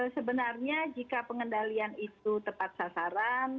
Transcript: sebenarnya jika pengendalian itu tepat sasaran